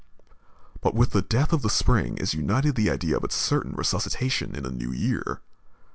But with the death of the spring is united the idea of its certain resuscitation in a new year.